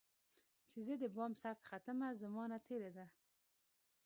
چي زه دبام سرته ختمه، زمانه تیره ده